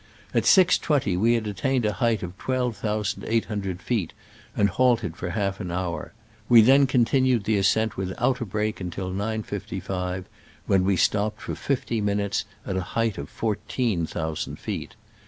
At 6.20 we had attained a height of t^^'elve thousand eight hun dred feet, and halted for half an hour : we then continued the ascent without a break until 9.55, when we stopped for fifty minutes at a height of fourteen thousand feet.